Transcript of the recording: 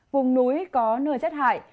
vùng núi có nửa xét hại